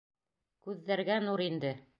Күҙҙәргә нур инде.